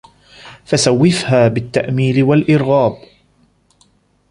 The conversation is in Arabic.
فَسَوِّفْهَا بِالتَّأْمِيلِ وَالْإِرْغَابِ